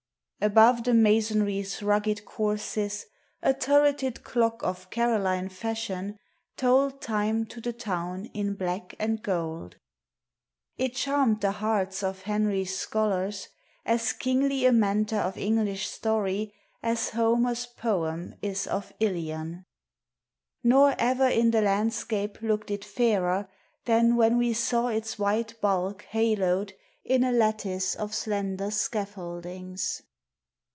Above the masonry's rugged courses A turreted clock of Caroline fashion Told time to the town in black and gold. It charmed the hearts of Henry's scholars As kingly a mentor of English story As Homer's poem is of Ilion: Nor e'er in the landscape look'd it fairer Than when we saw its white bulk halo'd In a lattice of slender scaffoldings.